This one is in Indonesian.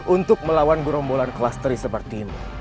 untuk melawan gerombolan klasteri seperti ini